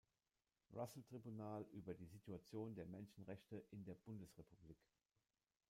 Russell-Tribunal über die Situation der Menschenrechte in der Bundesrepublik.